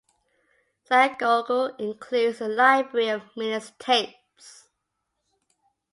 The synagogue includes a library of Miller's tapes.